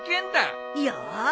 よし